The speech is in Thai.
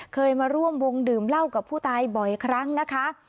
เคยมาร่วมวงดื่มเหล้ากับผู้ตายบ่อยครั้งนะคะ